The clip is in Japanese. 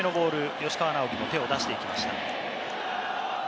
吉川尚輝、手を出していきました。